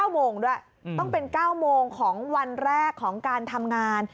๙โมงด้วยต้องเป็น๙โมงของวันแรกของการทำงาน